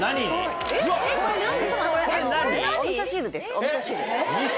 おみそ汁です。